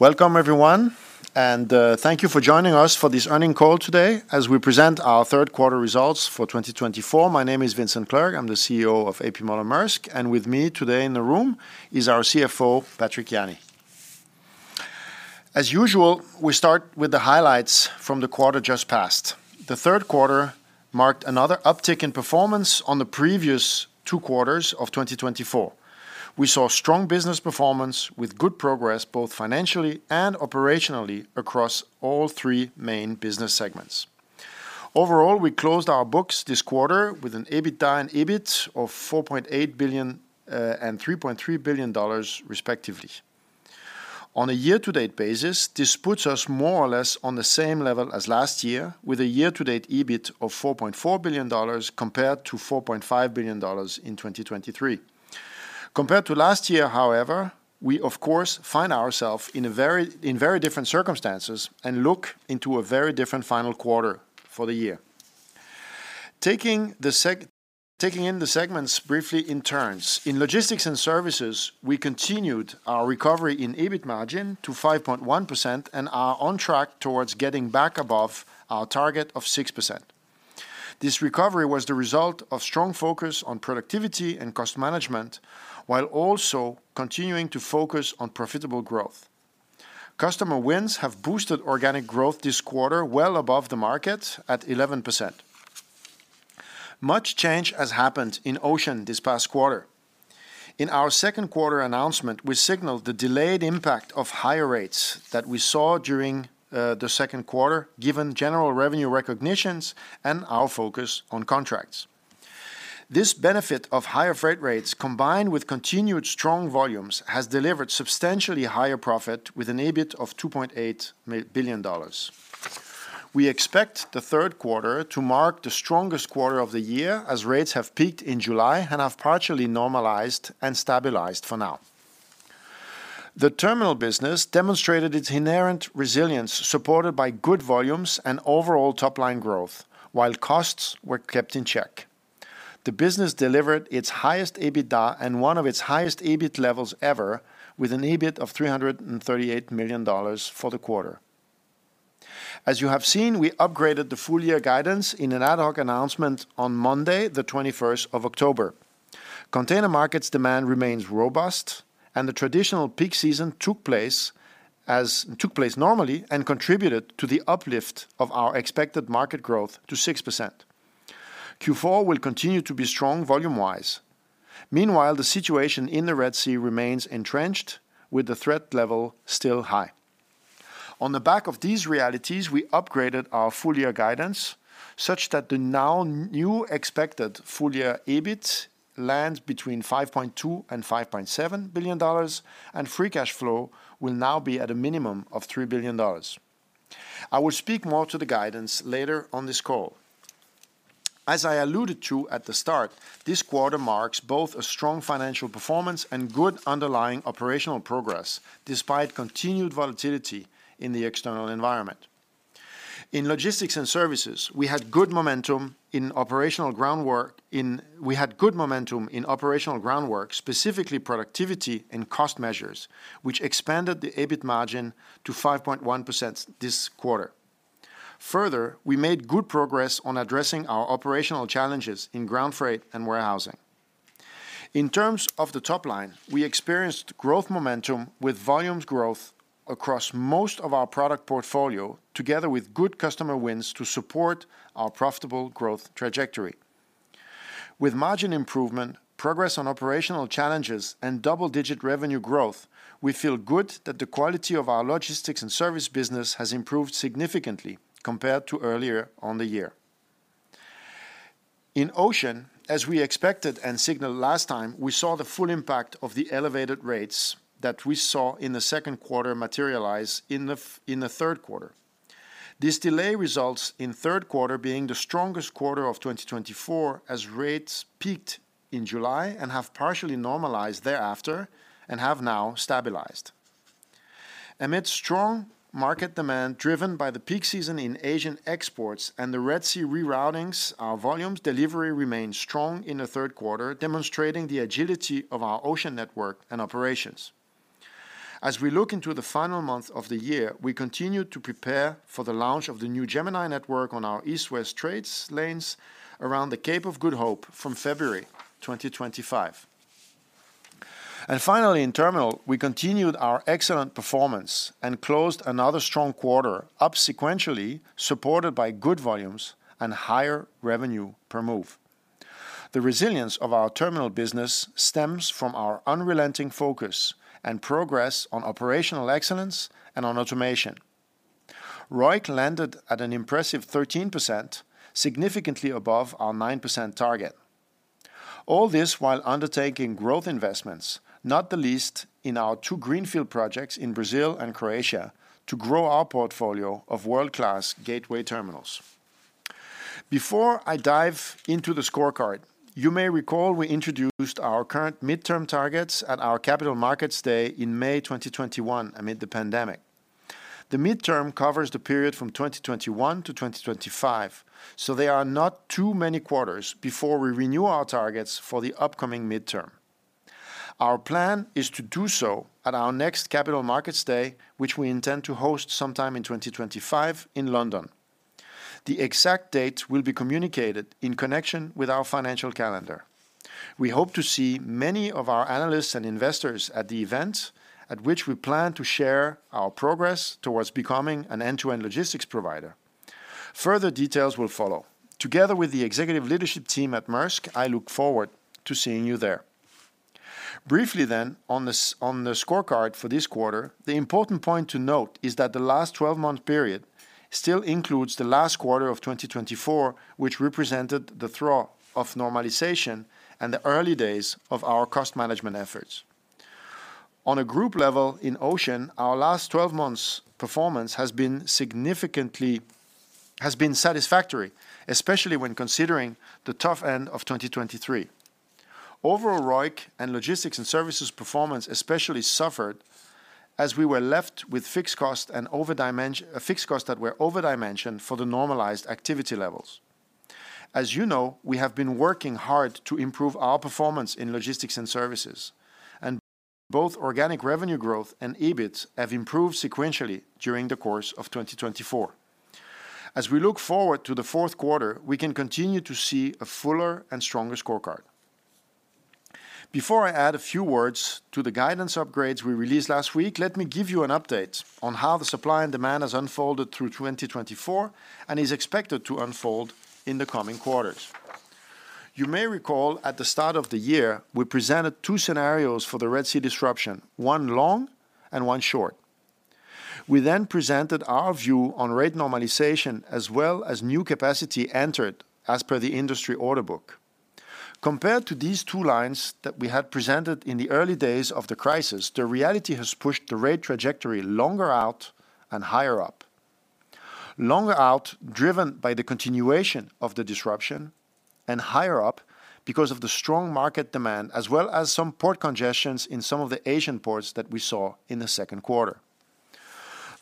Welcome, everyone, and thank you for joining us for this earnings call today as we present our third quarter results for 2024. My name is Vincent Clerc. I'm the CEO of A.P. Moller - Maersk, and with me today in the room is our CFO, Patrick Jany. As usual, we start with the highlights from the quarter just passed. The third quarter marked another uptick in performance on the previous two quarters of 2024. We saw strong business performance with good progress both financially and operationally across all three main business segments. Overall, we closed our books this quarter with an EBITDA and EBIT of $4.8 billion and $3.3 billion, respectively. On a year-to-date basis, this puts us more or less on the same level as last year, with a year-to-date EBIT of $4.4 billion compared to $4.5 billion in 2023. Compared to last year, however, we, of course, find ourselves in very different circumstances and look into a very different final quarter for the year. Taking in the segments briefly in turns, in Logistics and Services, we continued our recovery in EBIT margin to 5.1% and are on track towards getting back above our target of 6%. This recovery was the result of strong focus on productivity and cost management, while also continuing to focus on profitable growth. Customer wins have boosted organic growth this quarter well above the market at 11%. Much change has happened in Ocean this past quarter. In our second quarter announcement, we signaled the delayed impact of higher rates that we saw during the second quarter, given general revenue recognitions and our focus on contracts. This benefit of higher freight rates, combined with continued strong volumes, has delivered substantially higher profit with an EBIT of $2.8 billion. We expect the third quarter to mark the strongest quarter of the year, as rates have peaked in July and have partially normalized and stabilized for now. The Terminal business demonstrated its inherent resilience, supported by good volumes and overall top-line growth, while costs were kept in check. The business delivered its highest EBITDA and one of its highest EBIT levels ever, with an EBIT of $338 million for the quarter. As you have seen, we upgraded the full-year guidance in an ad hoc announcement on Monday, the 21st of October. Container markets' demand remains robust, and the traditional peak season took place normally and contributed to the uplift of our expected market growth to 6%. Q4 will continue to be strong volume-wise. Meanwhile, the situation in the Red Sea remains entrenched, with the threat level still high. On the back of these realities, we upgraded our full-year guidance such that the now new expected full-year EBIT lands between $5.2-$5.7 billion, and free cash flow will now be at a minimum of $3 billion. I will speak more to the guidance later on this call. As I alluded to at the start, this quarter marks both a strong financial performance and good underlying operational progress, despite continued volatility in the external environment. In Logistics and Services, we had good momentum in operational groundwork, specifically productivity and cost measures, which expanded the EBIT margin to 5.1% this quarter. Further, we made good progress on addressing our operational challenges in ground freight and warehousing. In terms of the top line, we experienced growth momentum with volume growth across most of our product portfolio, together with good customer wins to support our profitable growth trajectory. With margin improvement, progress on operational challenges, and double-digit revenue growth, we feel good that the quality of our Logistics and Services business has improved significantly compared to earlier on the year. In Ocean, as we expected and signaled last time, we saw the full impact of the elevated rates that we saw in the second quarter materialize in the third quarter. This delay results in third quarter being the strongest quarter of 2024, as rates peaked in July and have partially normalized thereafter and have now stabilized. Amid strong market demand driven by the peak season in Asian exports and the Red Sea reroutings, our volumes delivery remained strong in the third quarter, demonstrating the agility of our Ocean network and operations. As we look into the final month of the year, we continue to prepare for the launch of the new Gemini network on our east-west trade lanes around the Cape of Good Hope from February 2025. Finally, in Terminal, we continued our excellent performance and closed another strong quarter, up sequentially supported by good volumes and higher revenue per move. The resilience of our Terminal business stems from our unrelenting focus and progress on operational excellence and on automation. ROIC landed at an impressive 13%, significantly above our 9% target. All this while undertaking growth investments, not the least in our two greenfield projects in Brazil and Croatia, to grow our portfolio of world-class gateway terminals. Before I dive into the scorecard, you may recall we introduced our current midterm targets at our capital markets day in May 2021 amid the pandemic. The midterm covers the period from 2021 to 2025, so there are not too many quarters before we renew our targets for the upcoming midterm. Our plan is to do so at our next capital markets day, which we intend to host sometime in 2025 in London. The exact date will be communicated in connection with our financial calendar. We hope to see many of our analysts and investors at the event, at which we plan to share our progress towards becoming an end-to-end logistics provider. Further details will follow. Together with the executive leadership team at Maersk, I look forward to seeing you there. Briefly then, on the scorecard for this quarter, the important point to note is that the last 12-month period still includes the last quarter of 2024, which represented the thaw of normalization and the early days of our cost management efforts. On a group level in Ocean, our last 12 months' performance has been satisfactory, especially when considering the tough end of 2023. Overall, ROIC and Logistics and Services performance especially suffered as we were left with fixed costs that were overdimensioned for the normalized activity levels. As you know, we have been working hard to improve our performance in Logistics and Services, and both organic revenue growth and EBIT have improved sequentially during the course of 2024. As we look forward to the fourth quarter, we can continue to see a fuller and stronger scorecard. Before I add a few words to the guidance upgrades we released last week, let me give you an update on how the supply and demand has unfolded through 2024 and is expected to unfold in the coming quarters. You may recall at the start of the year, we presented two scenarios for the Red Sea disruption, one long and one short. We then presented our view on rate normalization as well as new capacity entered as per the industry order book. Compared to these two lines that we had presented in the early days of the crisis, the reality has pushed the rate trajectory longer out and higher up. Longer out, driven by the continuation of the disruption, and higher up because of the strong market demand, as well as some port congestions in some of the Asian ports that we saw in the second quarter.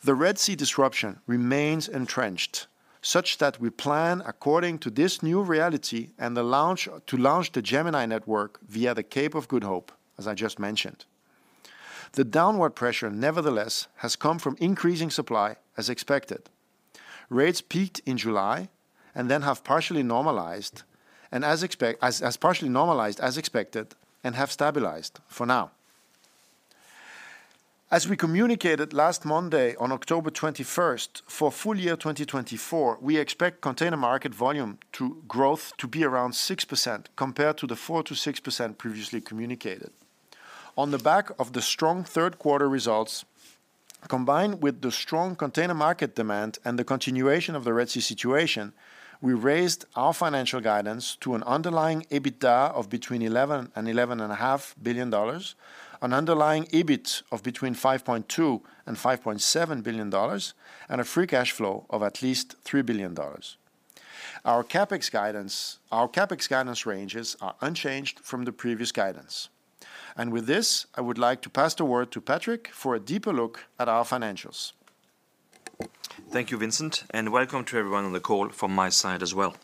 The Red Sea disruption remains entrenched, such that we plan, according to this new reality, to launch the Gemini network via the Cape of Good Hope, as I just mentioned. The downward pressure, nevertheless, has come from increasing supply, as expected. Rates peaked in July and then have partially normalized, as normalized as expected, and have stabilized for now. As we communicated last Monday, on October 21st, for full year 2024, we expect container market volume growth to be around 6% compared to the 4% to 6% previously communicated. On the back of the strong third quarter results, combined with the strong container market demand and the continuation of the Red Sea situation, we raised our financial guidance to an underlying EBITDA of between $11 and $11.5 billion, an underlying EBIT of between $5.2 and $5.7 billion, and a free cash flow of at least $3 billion. Our CapEx guidance ranges are unchanged from the previous guidance. With this, I would like to pass the word to Patrick for a deeper look at our financials. Thank you, Vincent, and welcome to everyone on the call from my side as well.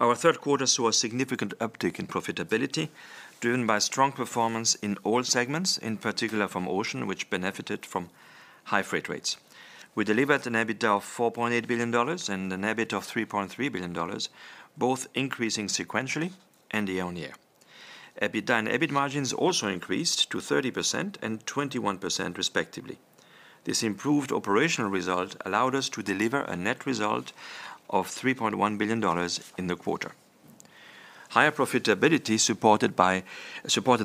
Our third quarter saw a significant uptick in profitability, driven by strong performance in all segments, in particular from Ocean, which benefited from high freight rates. We delivered an EBITDA of $4.8 billion and an EBIT of $3.3 billion, both increasing sequentially and year on year. EBITDA and EBIT margins also increased to 30% and 21%, respectively. This improved operational result allowed us to deliver a net result of $3.1 billion in the quarter. Higher profitability supported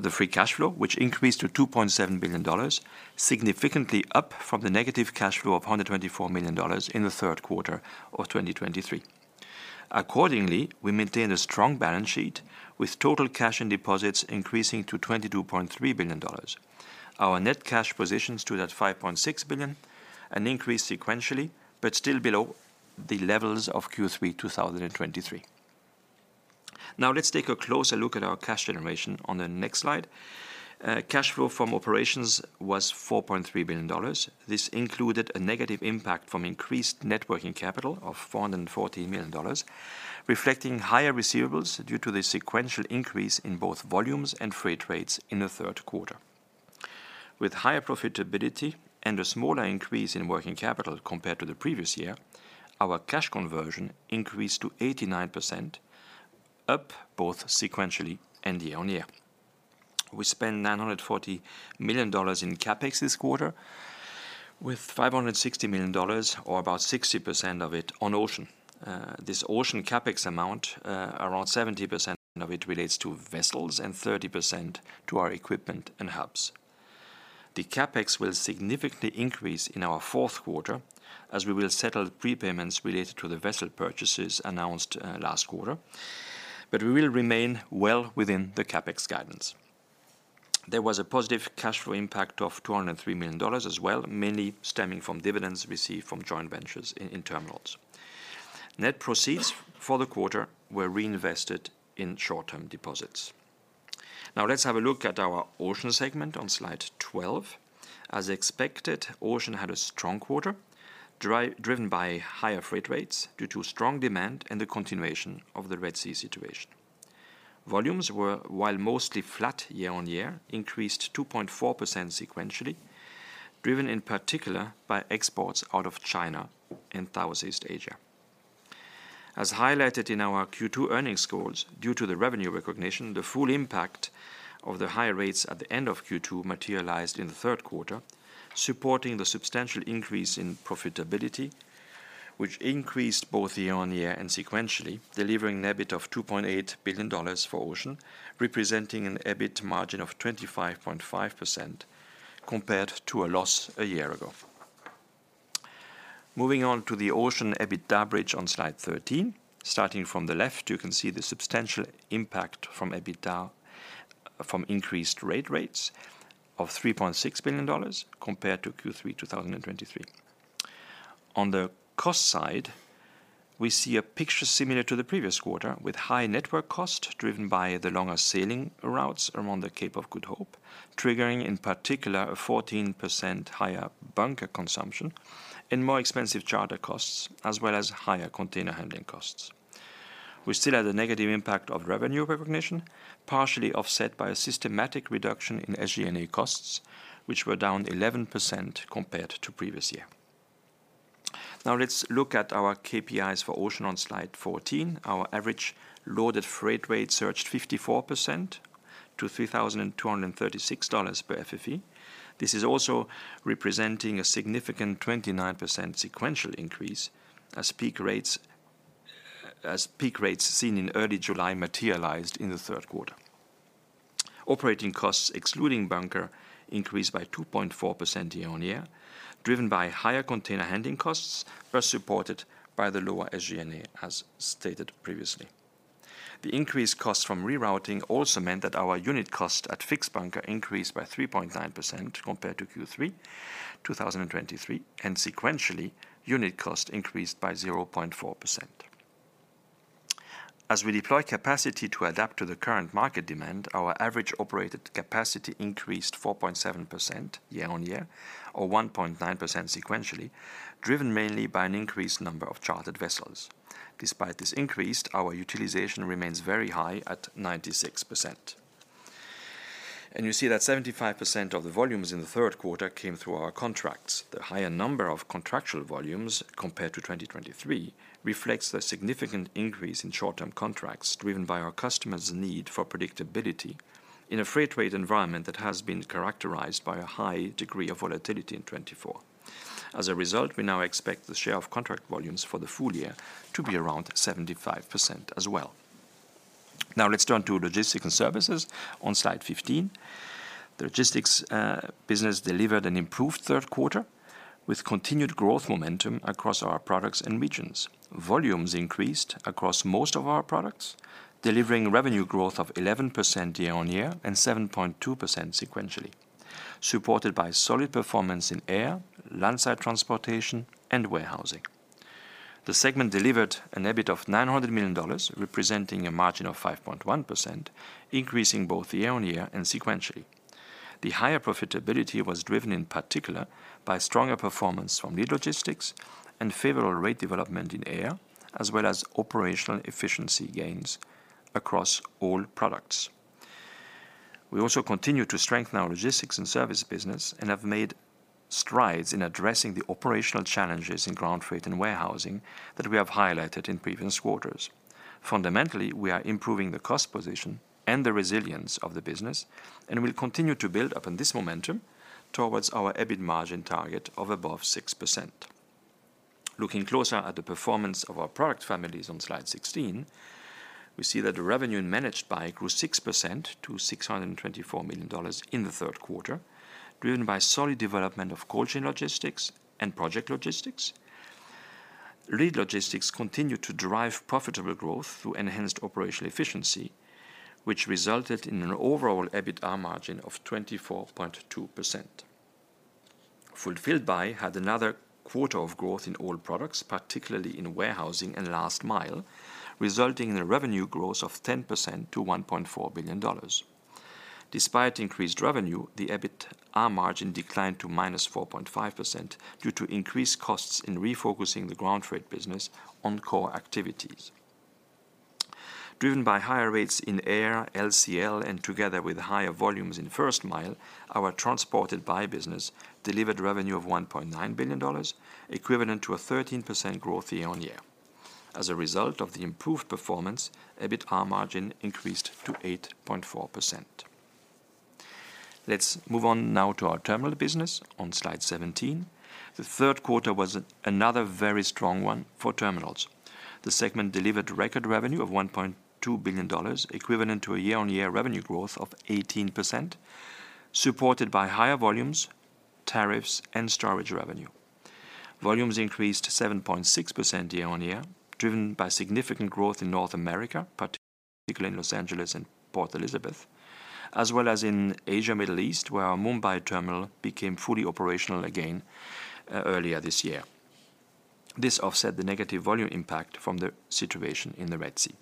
the free cash flow, which increased to $2.7 billion, significantly up from the negative cash flow of $124 million in the third quarter of 2023. Accordingly, we maintained a strong balance sheet, with total cash and deposits increasing to $22.3 billion. Our net cash position stood at $5.6 billion, an increase sequentially, but still below the levels of Q3 2023. Now, let's take a closer look at our cash generation on the next slide. Cash flow from operations was $4.3 billion. This included a negative impact from increased working capital of $440 million, reflecting higher receivables due to the sequential increase in both volumes and freight rates in the third quarter. With higher profitability and a smaller increase in working capital compared to the previous year, our cash conversion increased to 89%, up both sequentially and year on year. We spent $940 million in CapEx this quarter, with $560 million, or about 60% of it, on Ocean. This Ocean CapEx amount, around 70% of it relates to vessels and 30% to our equipment and hubs. The CapEx will significantly increase in our fourth quarter, as we will settle prepayments related to the vessel purchases announced last quarter, but we will remain well within the CapEx guidance. There was a positive cash flow impact of $203 million as well, mainly stemming from dividends received from joint ventures in Terminals. Net proceeds for the quarter were reinvested in short-term deposits. Now, let's have a look at our Ocean segment on slide 12. As expected, Ocean had a strong quarter, driven by higher freight rates due to strong demand and the continuation of the Red Sea situation. Volumes were, while mostly flat year on year, increased 2.4% sequentially, driven in particular by exports out of China and Southeast Asia. As highlighted in our Q2 earnings call, due to the revenue recognition, the full impact of the high rates at the end of Q2 materialized in the third quarter, supporting the substantial increase in profitability, which increased both year on year and sequentially, delivering an EBIT of $2.8 billion for Ocean, representing an EBIT margin of 25.5% compared to a loss a year ago. Moving on to the Ocean EBITDA bridge on slide 13, starting from the left, you can see the substantial impact from EBITDA from increased rates of $3.6 billion compared to Q3 2023. On the cost side, we see a picture similar to the previous quarter, with high network costs driven by the longer sailing routes around the Cape of Good Hope, triggering in particular a 14% higher bunker consumption and more expensive charter costs, as well as higher container handling costs. We still had a negative impact of revenue recognition, partially offset by a systematic reduction in SG&A costs, which were down 11% compared to previous year. Now, let's look at our KPIs for Ocean on slide 14. Our average loaded freight rate surged 54% to $3,236 per FFE. This is also representing a significant 29% sequential increase, as peak rates seen in early July materialized in the third quarter. Operating costs excluding bunker increased by 2.4% year on year, driven by higher container handling costs, first supported by the lower SG&A, as stated previously. The increased costs from rerouting also meant that our unit cost at fixed bunker increased by 3.9% compared to Q3 2023, and sequentially, unit cost increased by 0.4%. As we deploy capacity to adapt to the current market demand, our average operated capacity increased 4.7% year on year, or 1.9% sequentially, driven mainly by an increased number of chartered vessels. Despite this increase, our utilization remains very high at 96%, and you see that 75% of the volumes in the third quarter came through our contracts. The higher number of contractual volumes compared to 2023 reflects the significant increase in short-term contracts driven by our customers' need for predictability in a freight rate environment that has been characterized by a high degree of volatility in 2024. As a result, we now expect the share of contract volumes for the full year to be around 75% as well. Now, let's turn to Logistics and Services on slide 15. The logistics business delivered an improved third quarter with continued growth momentum across our products and regions. Volumes increased across most of our products, delivering revenue growth of 11% year on year and 7.2% sequentially, supported by solid performance in air, landside transportation, and warehousing. The segment delivered an EBIT of $900 million, representing a margin of 5.1%, increasing both year on year and sequentially. The higher profitability was driven in particular by stronger performance from Lead Logistics and favorable rate development in air, as well as operational efficiency gains across all products. We also continue to strengthen our logistics and service business and have made strides in addressing the operational challenges in ground freight and warehousing that we have highlighted in previous quarters. Fundamentally, we are improving the cost position and the resilience of the business, and we'll continue to build upon this momentum towards our EBIT margin target of above 6%. Looking closer at the performance of our product families on slide 16, we see that the revenue Managed by Maersk grew 6% to $624 million in the third quarter, driven by solid development of Cold Chain Logistics and Project Logistics. Lead Logistics continued to drive profitable growth through enhanced operational efficiency, which resulted in an overall EBITDA margin of 24.2%. Fulfilled by Maersk had another quarter of growth in all products, particularly in warehousing and last mile, resulting in a revenue growth of 10% to $1.4 billion. Despite increased revenue, the EBITDA margin declined to minus 4.5% due to increased costs in refocusing the ground freight business on core activities. Driven by higher rates in air, LCL, and together with higher volumes in first mile, our Transported by Maersk business delivered revenue of $1.9 billion, equivalent to a 13% growth year on year. As a result of the improved performance, EBITDA margin increased to 8.4%. Let's move on now to our Terminal business on slide 17. The third quarter was another very strong one for Terminals. The segment delivered record revenue of $1.2 billion, equivalent to a year-on-year revenue growth of 18%, supported by higher volumes, tariffs, and storage revenue. Volumes increased 7.6% year on year, driven by significant growth in North America, particularly in Los Angeles and Port Elizabeth, as well as in Asia-Middle East, where our Mumbai Terminal became fully operational again earlier this year. This offset the negative volume impact from the situation in the Red Sea.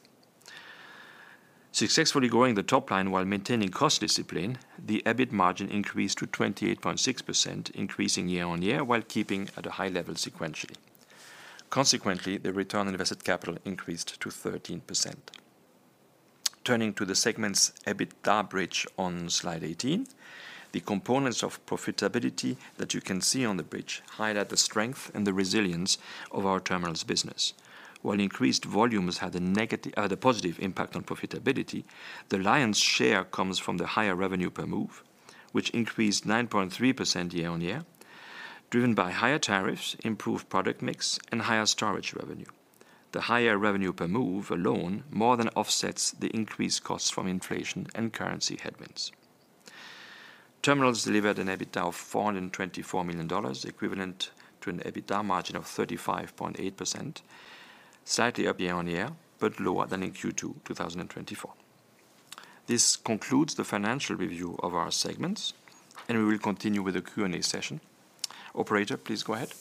Successfully growing the top line while maintaining cost discipline, the EBIT margin increased to 28.6%, increasing year on year while keeping at a high level sequentially. Consequently, the return on invested capital increased to 13%. Turning to the segment's EBITDA bridge on slide 18, the components of profitability that you can see on the bridge highlight the strength and the resilience of our Terminals business. While increased volumes had a positive impact on profitability, the lion's share comes from the higher revenue per move, which increased 9.3% year on year, driven by higher tariffs, improved product mix, and higher storage revenue. The higher revenue per move alone more than offsets the increased costs from inflation and currency headwinds. Terminals delivered an EBITDA of $424 million, equivalent to an EBITDA margin of 35.8%, slightly up year on year, but lower than in Q2 2024. This concludes the financial review of our segments, and we will continue with the Q&A session. Operator, please go ahead.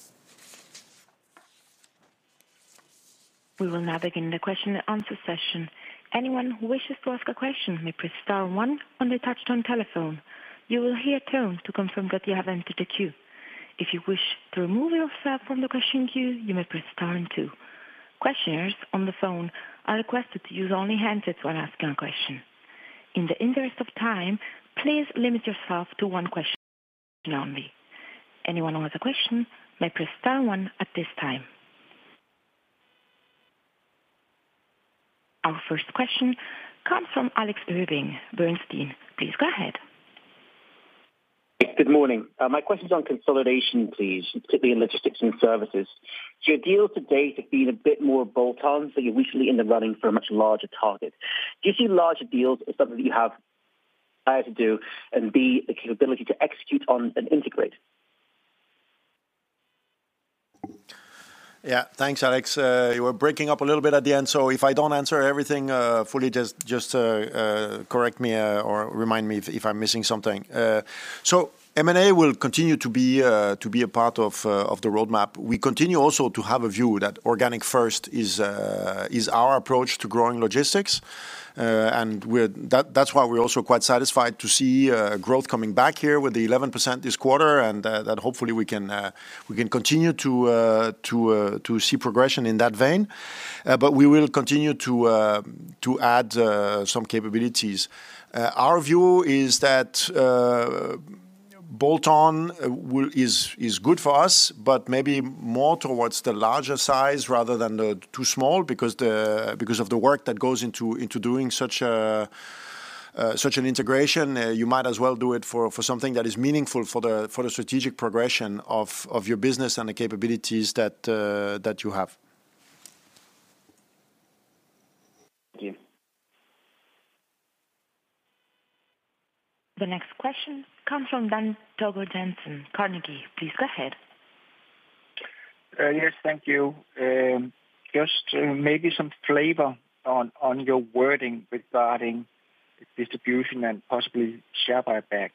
We will now begin the question and answer session. Anyone who wishes to ask a question may press star one on the touch-tone telephone. You will hear a tone to confirm that you have entered the queue. If you wish to remove yourself from the question queue, you may press star two. Questioners on the phone are requested to use only handsets when asking a question. In the interest of time, please limit yourself to one question only. Anyone who has a question may press star one at this time. Our first question comes from Alex Irving, Bernstein. Please go ahead. Good morning. My question is on consolidation, please, particularly in Logistics and Services. Do your deals to date have been a bit more bolt-on, so you're weakly in the running for a much larger target? Do you see larger deals as something that you have to do and, B, the capability to execute on and integrate? Yeah, thanks, Alex. You were breaking up a little bit at the end, so if I don't answer everything fully, just correct me or remind me if I'm missing something. So M&A will continue to be a part of the roadmap. We continue also to have a view that organic first is our approach to growing logistics, and that's why we're also quite satisfied to see growth coming back here with the 11% this quarter, and that hopefully we can continue to see progression in that vein. But we will continue to add some capabilities. Our view is that bolt-on is good for us, but maybe more towards the larger size rather than the too small, because of the work that goes into doing such an integration. You might as well do it for something that is meaningful for the strategic progression of your business and the capabilities that you have. Thank you. The next question comes from Dan Togo Jensen, Carnegie. Please go ahead. Yes, thank you. Just maybe some flavor on your wording regarding distribution and possibly share buyback.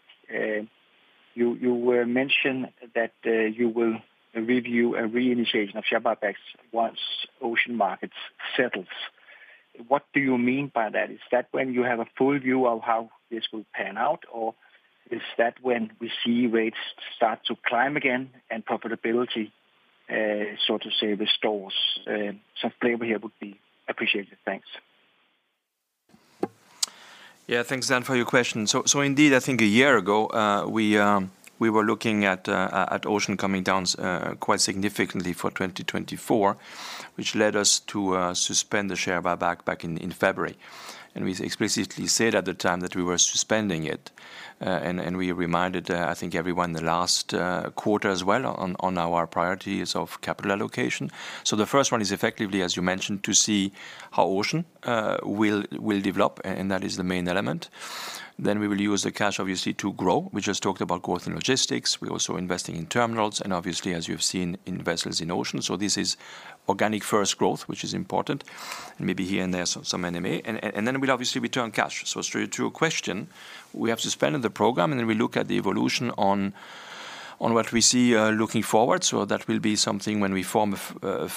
You mentioned that you will review a reinitiation of share buybacks once Ocean markets settles. What do you mean by that? Is that when you have a full view of how this will pan out, or is that when we see rates start to climb again and profitability, so to say, restores? Some flavor here would be appreciated. Thanks. Yeah, thanks, Dan, for your question. So indeed, I think a year ago, we were looking at Ocean coming down quite significantly for 2024, which led us to suspend the share buyback back in February. And we explicitly said at the time that we were suspending it, and we reminded, I think, everyone the last quarter as well on our priorities of capital allocation. So the first one is effectively, as you mentioned, to see how Ocean will develop, and that is the main element. Then we will use the cash, obviously, to grow. We just talked about growth in logistics. We're also investing in Terminals and, obviously, as you've seen, in vessels in Ocean. So this is organic first growth, which is important, and maybe here and there some M&A. And then we'll obviously return cash. So straight to your question, we have suspended the program, and then we look at the evolution on what we see looking forward. That will be something when we form a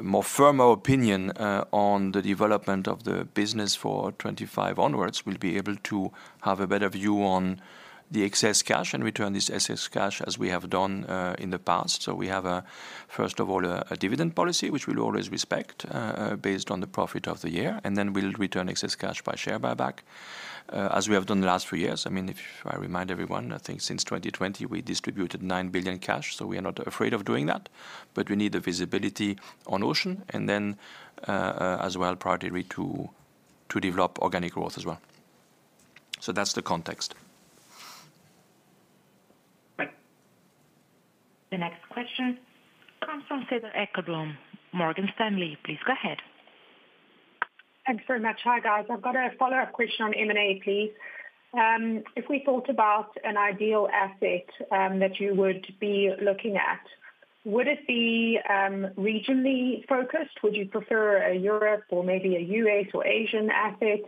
more firmer opinion on the development of the business for 2025 onwards; we'll be able to have a better view on the excess cash and return this excess cash as we have done in the past. We have, first of all, a dividend policy, which we'll always respect based on the profit of the year, and then we'll return excess cash by share buyback as we have done the last few years. I mean, if I remind everyone, I think since 2020, we distributed $9 billion cash, so we are not afraid of doing that, but we need the visibility on Ocean and then as well priority to develop organic growth as well. That's the context. The next question comes from Cedar Ekblom, Morgan Stanley. Please go ahead. Thanks very much. Hi, guys. I've got a follow-up question on M&A, please. If we thought about an ideal asset that you would be looking at, would it be regionally focused? Would you prefer a Europe or maybe a U.S. or Asian asset?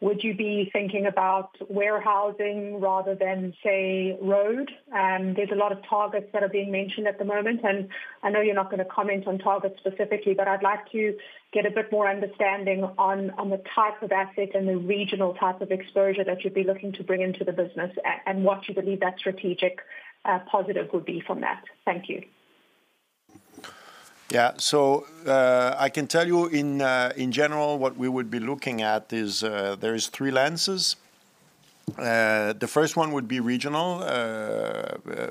Would you be thinking about warehousing rather than, say, road? There's a lot of targets that are being mentioned at the moment, and I know you're not going to comment on targets specifically, but I'd like to get a bit more understanding on the type of asset and the regional type of exposure that you'd be looking to bring into the business and what you believe that strategic positive would be from that. Thank you. Yeah, so I can tell you in general what we would be looking at is there are three lenses. The first one would be regional.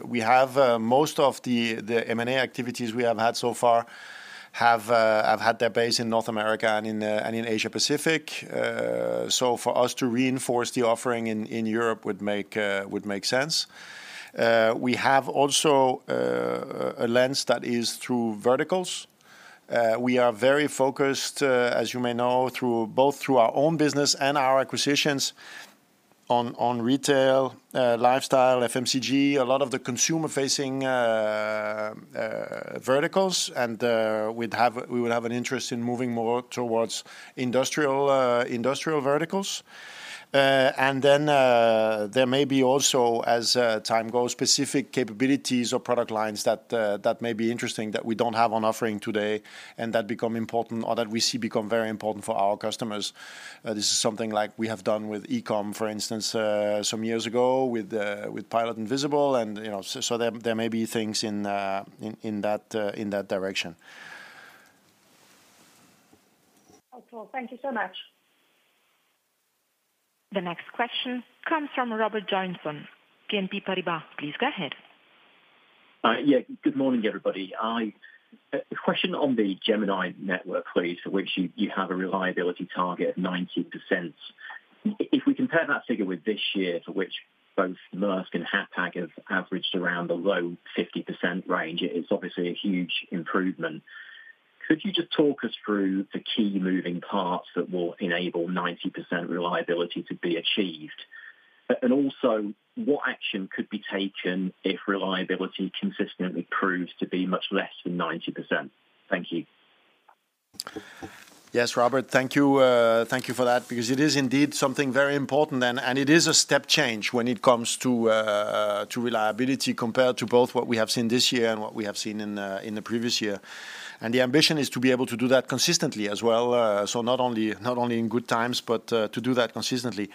We have most of the M&A activities we have had so far have had their base in North America and in Asia-Pacific. So for us to reinforce the offering in Europe would make sense. We have also a lens that is through verticals. We are very focused, as you may know, both through our own business and our acquisitions on retail, lifestyle, FMCG, a lot of the consumer-facing verticals, and we would have an interest in moving more towards industrial verticals. And then there may be also, as time goes, specific capabilities or product lines that may be interesting that we don't have on offering today and that become important or that we see become very important for our customers. This is something like we have done with e-comm, for instance, some years ago with Pilot and Visible. And so there may be things in that direction. Thank you so much. The next question comes from Robert Joynson, BNP Paribas. Please go ahead. Yeah, good morning, everybody. A question on the Gemini network, please, for which you have a reliability target of 90%. If we compare that figure with this year, for which both Maersk and Hapag-Lloyd have averaged around the low 50% range, it is obviously a huge improvement. Could you just talk us through the key moving parts that will enable 90% reliability to be achieved? And also, what action could be taken if reliability consistently proves to be much less than 90%? Thank you. Yes, Robert, thank you for that, because it is indeed something very important, and it is a step change when it comes to reliability compared to both what we have seen this year and what we have seen in the previous year, and the ambition is to be able to do that consistently as well, so not only in good times, but to do that consistently.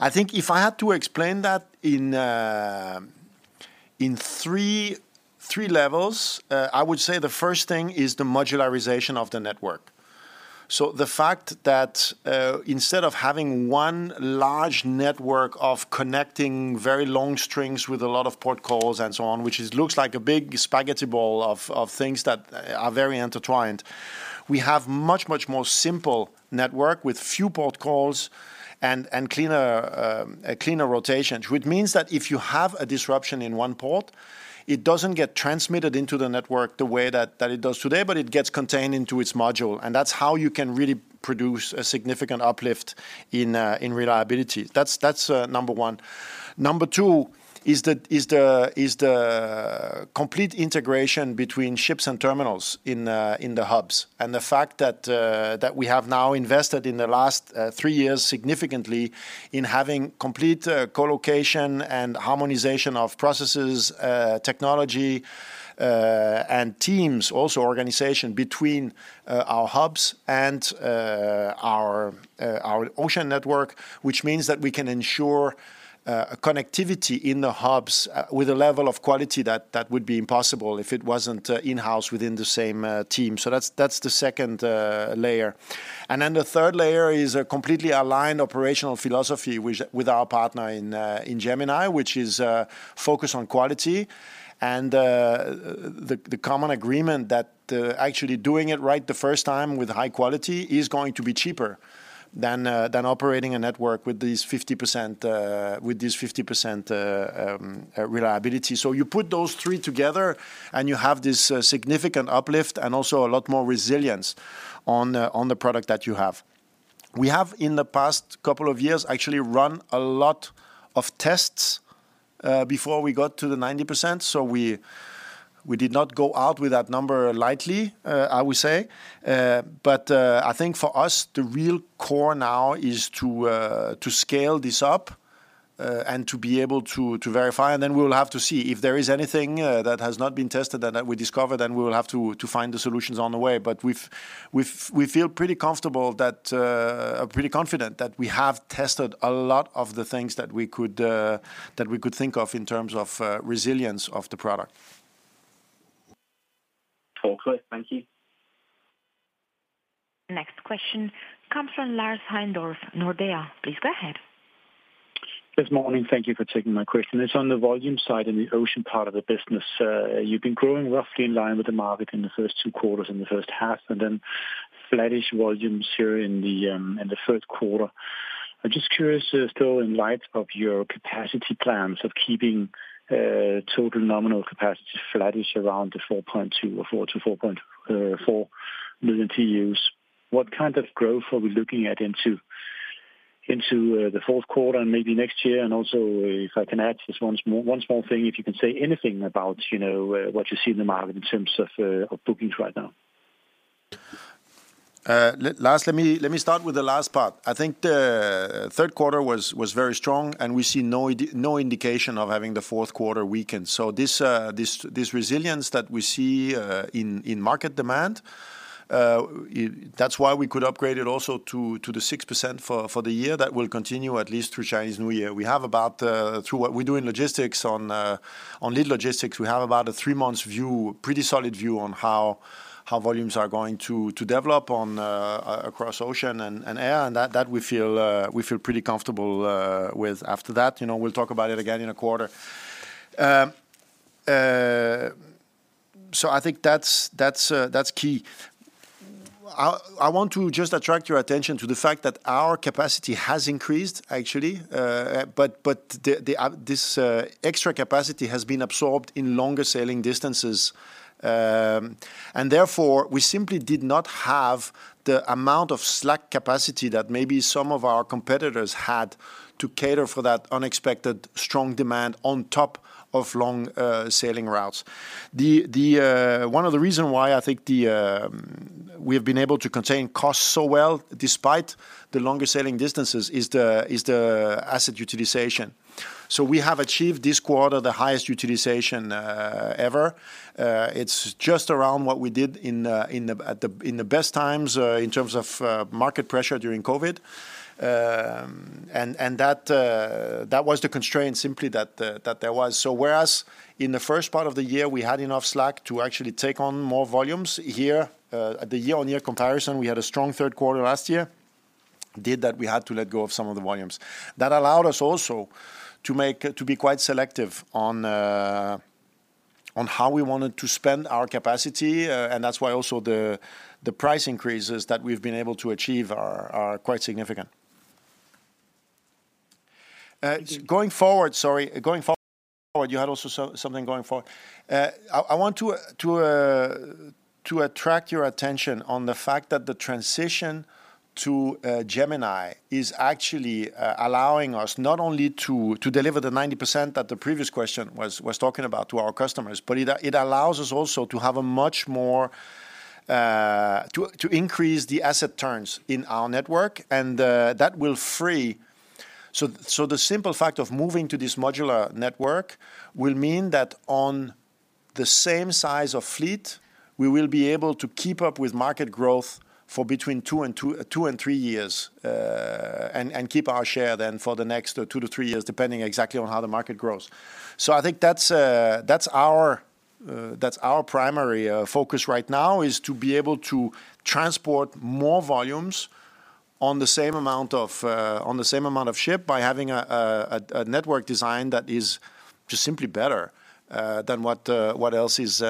I think if I had to explain that in three levels, I would say the first thing is the modularization of the network. So the fact that instead of having one large network of connecting very long strings with a lot of port calls and so on, which looks like a big spaghetti ball of things that are very intertwined, we have much, much more simple network with few port calls and cleaner rotations, which means that if you have a disruption in one port, it doesn't get transmitted into the network the way that it does today, but it gets contained into its module, and that's how you can really produce a significant uplift in reliability. That's number one. Number two is the complete integration between ships and terminals in the hubs and the fact that we have now invested in the last three years significantly in having complete colocation and harmonization of processes, technology, and teams, also organization between our hubs and our Ocean network, which means that we can ensure connectivity in the hubs with a level of quality that would be impossible if it wasn't in-house within the same team. So that's the second layer. And then the third layer is a completely aligned operational philosophy with our partner in Gemini, which is focused on quality. And the common agreement that actually doing it right the first time with high quality is going to be cheaper than operating a network with this 50% reliability. You put those three together, and you have this significant uplift and also a lot more resilience on the product that you have. We have, in the past couple of years, actually run a lot of tests before we got to the 90%. We did not go out with that number lightly, I would say. But I think for us, the real core now is to scale this up and to be able to verify. Then we will have to see if there is anything that has not been tested that we discover. Then we will have to find the solutions on the way. But we feel pretty comfortable that, pretty confident that we have tested a lot of the things that we could think of in terms of resilience of the product. Thank you. Next question comes from Lars Heindorff, Nordea. Please go ahead. Good morning. Thank you for taking my question. It's on the volume side in the Ocean part of the business. You've been growing roughly in line with the market in the first two quarters, in the first half, and then flat-ish volumes here in the first quarter. I'm just curious, still in light of your capacity plans of keeping total nominal capacity flat-ish around the 4.2 or 4.4 million TEUs, what kind of growth are we looking at into the fourth quarter and maybe next year? And also, if I can add just one small thing, if you can say anything about what you see in the market in terms of bookings right now. Lars, let me start with the last part. I think the third quarter was very strong, and we see no indication of having the fourth quarter weaken. So this resilience that we see in market demand, that's why we could upgrade it also to the 6% for the year. That will continue at least through Chinese New Year. We have about, through what we do in logistics, on Lead Logistics, we have about a three-month view, pretty solid view on how volumes are going to develop across Ocean and air, and that we feel pretty comfortable with after that. We'll talk about it again in a quarter. So I think that's key. I want to just attract your attention to the fact that our capacity has increased, actually, but this extra capacity has been absorbed in longer sailing distances. Therefore, we simply did not have the amount of slack capacity that maybe some of our competitors had to cater for that unexpected strong demand on top of long sailing routes. One of the reasons why I think we have been able to contain costs so well despite the longer sailing distances is the asset utilization. We have achieved this quarter the highest utilization ever. It's just around what we did in the best times in terms of market pressure during COVID. That was the constraint simply that there was. Whereas in the first part of the year, we had enough slack to actually take on more volumes here, the year-on-year comparison, we had a strong third quarter last year. Due to that, we had to let go of some of the volumes. That allowed us also to be quite selective on how we wanted to spend our capacity, and that's why also the price increases that we've been able to achieve are quite significant. Going forward, sorry, going forward, you had also something going forward. I want to attract your attention on the fact that the transition to Gemini is actually allowing us not only to deliver the 90% that the previous question was talking about to our customers, but it allows us also to have a much more to increase the asset turns in our network, and that will free. So the simple fact of moving to this modular network will mean that on the same size of fleet, we will be able to keep up with market growth for between two and three years and keep our share then for the next two to three years, depending exactly on how the market grows. So I think that's our primary focus right now is to be able to transport more volumes on the same amount of ship by having a network design that is just simply better than what else is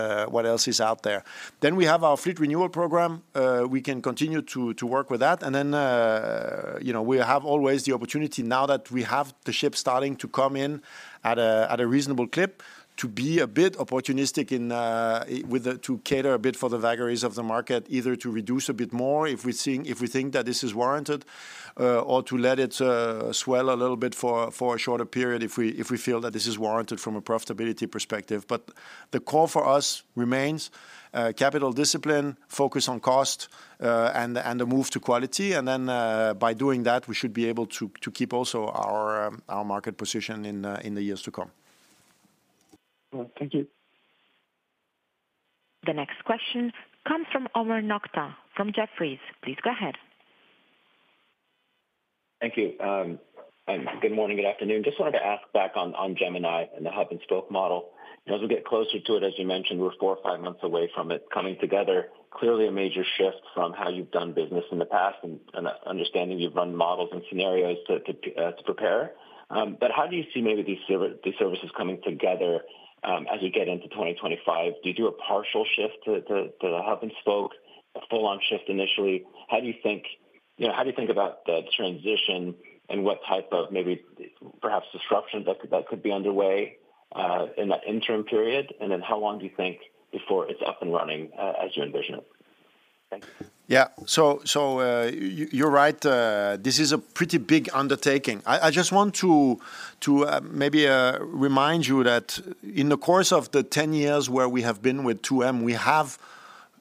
out there. Then we have our fleet renewal program. We can continue to work with that. And then we have always the opportunity now that we have the ship starting to come in at a reasonable clip to be a bit opportunistic in to cater a bit for the vagaries of the market, either to reduce a bit more if we think that this is warranted or to let it swell a little bit for a shorter period if we feel that this is warranted from a profitability perspective. But the core for us remains capital discipline, focus on cost, and the move to quality. And then by doing that, we should be able to keep also our market position in the years to come. Thank you. The next question comes from Omar Nokta from Jefferies. Please go ahead. Thank you. Good morning, good afternoon. Just wanted to ask back on Gemini and the hub and spoke model. As we get closer to it, as you mentioned, we're four or five months away from it coming together, clearly a major shift from how you've done business in the past and understanding you've run models and scenarios to prepare. But how do you see maybe these services coming together as we get into 2025? Do you do a partial shift to the hub and spoke, a full-on shift initially? How do you think about the transition and what type of maybe perhaps disruptions that could be underway in that interim period? And then how long do you think before it's up and running as you envision it? Thank you. Yeah, so you're right. This is a pretty big undertaking. I just want to maybe remind you that in the course of the 10 years where we have been with 2M, we have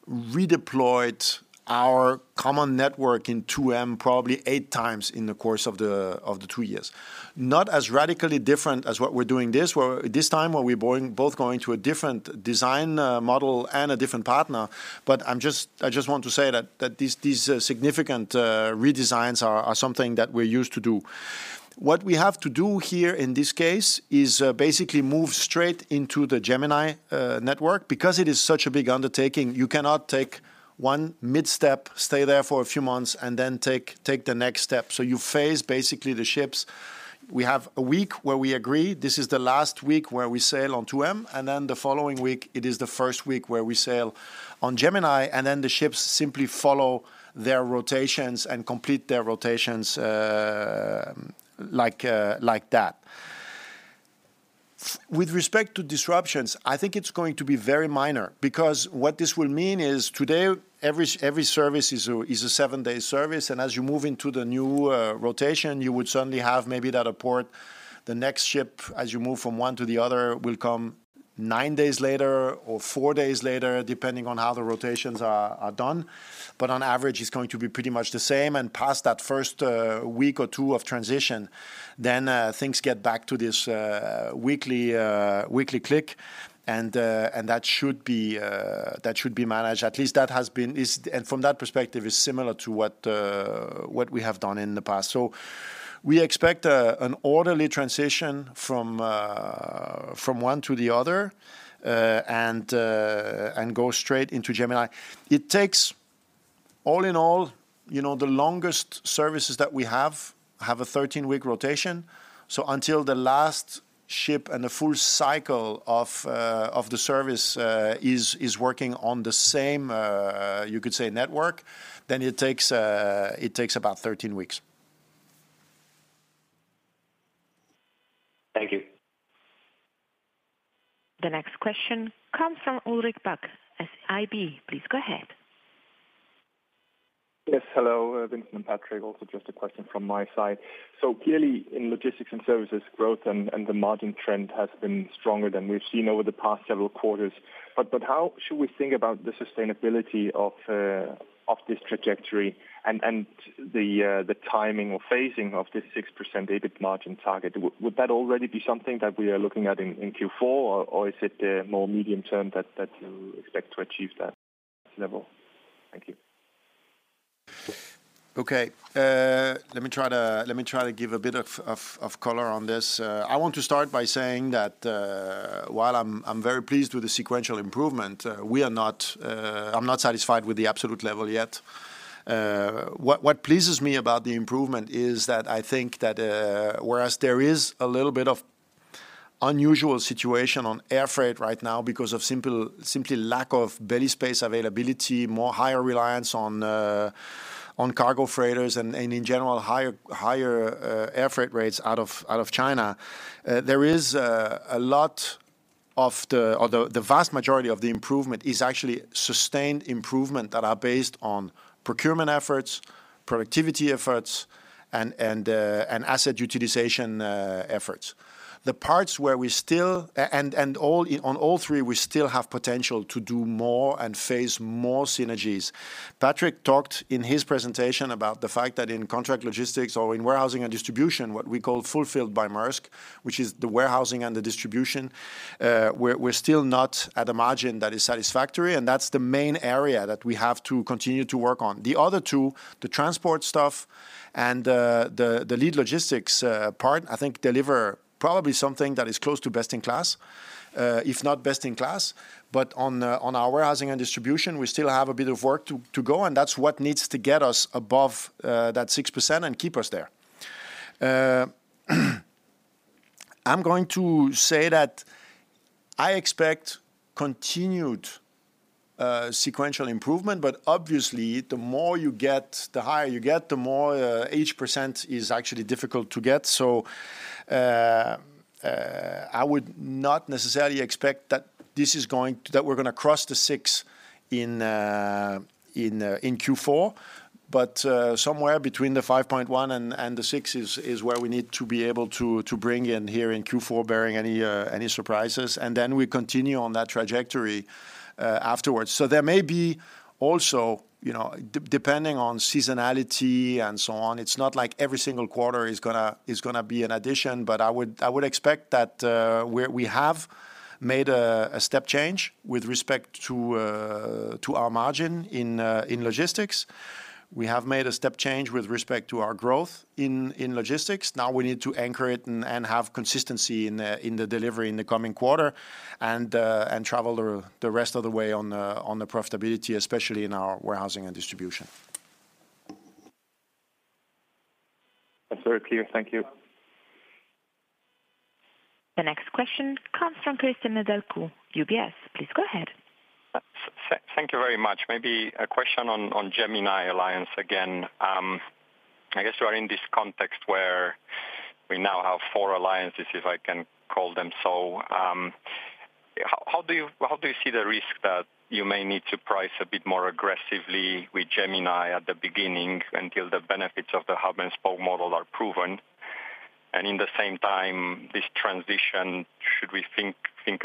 redeployed our common network in 2M probably eight times in the course of the two years. Not as radically different as what we're doing this time where we're both going to a different design model and a different partner, but I just want to say that these significant redesigns are something that we're used to do. What we have to do here in this case is basically move straight into the Gemini network. Because it is such a big undertaking, you cannot take one mid-step, stay there for a few months, and then take the next step. So you phase basically the ships. We have a week where we agree. This is the last week where we sail on 2M, and then the following week, it is the first week where we sail on Gemini, and then the ships simply follow their rotations and complete their rotations like that. With respect to disruptions, I think it's going to be very minor. Because what this will mean is today, every service is a seven-day service, and as you move into the new rotation, you would suddenly have maybe that a port, the next ship, as you move from one to the other, will come nine days later or four days later, depending on how the rotations are done. But on average, it's going to be pretty much the same, and past that first week or two of transition, then things get back to this weekly click, and that should be managed. At least that has been, and from that perspective, is similar to what we have done in the past. So we expect an orderly transition from one to the other and go straight into Gemini. It takes, all in all, the longest services that we have a 13-week rotation. So until the last ship and the full cycle of the service is working on the same, you could say, network, then it takes about 13 weeks. Thank you. The next question comes from Ulrik Bak of SEB. Please go ahead. Yes, hello. Vincent and Patrick, also just a question from my side. So clearly, in Logistics and Services, growth and the margin trend has been stronger than we've seen over the past several quarters. But how should we think about the sustainability of this trajectory and the timing or phasing of this 6% EBIT margin target? Would that already be something that we are looking at in Q4, or is it more medium term that you expect to achieve that level? Thank you. Okay. Let me try to give a bit of color on this. I want to start by saying that while I'm very pleased with the sequential improvement, I'm not satisfied with the absolute level yet. What pleases me about the improvement is that I think that whereas there is a little bit of unusual situation on air freight right now because of simply lack of belly space availability, more higher reliance on cargo freighters, and in general, higher air freight rates out of China, there is a lot of the vast majority of the improvement is actually sustained improvement that are based on procurement efforts, productivity efforts, and asset utilization efforts. The parts where we still, and on all three, we still have potential to do more and phase more synergies. Patrick talked in his presentation about the fact that in contract logistics or in warehousing and distribution, what we call Fulfilled by Maersk, which is the warehousing and the distribution, we're still not at a margin that is satisfactory. And that's the main area that we have to continue to work on. The other two, the transport stuff and the Lead Logistics part, I think deliver probably something that is close to best in class, if not best in class. But on our warehousing and distribution, we still have a bit of work to go, and that's what needs to get us above that 6% and keep us there. I'm going to say that I expect continued sequential improvement, but obviously, the more you get, the higher you get, the more each percent is actually difficult to get. I would not necessarily expect that we're going to cross the six in Q4, but somewhere between the 5.1 and the six is where we need to be able to bring in here in Q4, bearing any surprises, and then we continue on that trajectory afterwards. There may be also, depending on seasonality and so on. It is not like every single quarter is going to be an addition, but I would expect that we have made a step change with respect to our margin in logistics. We have made a step change with respect to our growth in logistics. Now we need to anchor it and have consistency in the delivery in the coming quarter and travel the rest of the way on the profitability, especially in our warehousing and distribution. That's very clear. Thank you. The next question comes from Cristian Nedelcu, UBS. Please go ahead. Thank you very much. Maybe a question on Gemini Alliance again. I guess you are in this context where we now have four alliances, if I can call them so. How do you see the risk that you may need to price a bit more aggressively with Gemini at the beginning until the benefits of the hub and spoke model are proven? And in the same time, this transition, should we think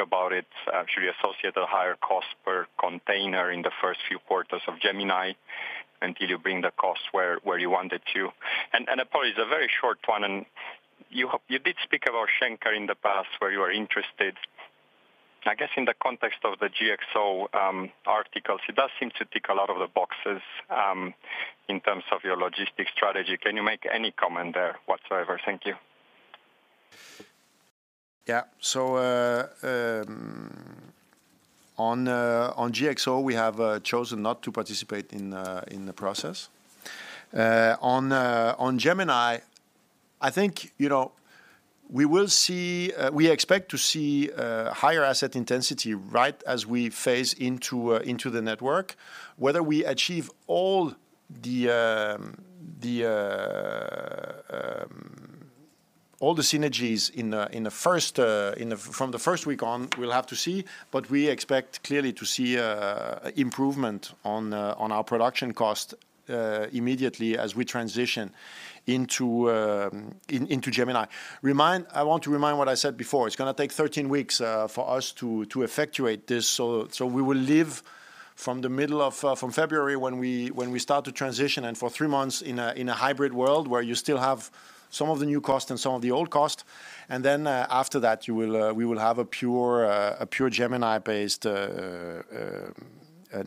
about it, should we associate a higher cost per container in the first few quarters of Gemini until you bring the cost where you want it to? And probably it's a very short one. And you did speak about Schenker in the past where you were interested. I guess in the context of the GXO articles, it does seem to tick a lot of the boxes in terms of your logistics strategy. Can you make any comment there whatsoever? Thank you. Yeah, so on GXO, we have chosen not to participate in the process. On Gemini, I think we will see we expect to see higher asset intensity right as we phase into the network. Whether we achieve all the synergies from the first week on, we'll have to see. But we expect clearly to see improvement on our production cost immediately as we transition into Gemini. I want to remind what I said before. It's going to take 13 weeks for us to effectuate this. So we will live from the middle of February when we start to transition and for three months in a hybrid world where you still have some of the new cost and some of the old cost, and then after that, we will have a pure Gemini-based